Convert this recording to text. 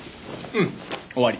うん終わり。